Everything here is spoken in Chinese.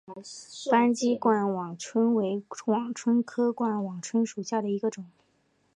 斑脊冠网蝽为网蝽科冠网蝽属下的一个种。